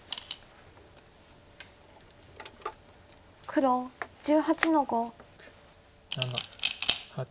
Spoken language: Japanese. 黒１８の五。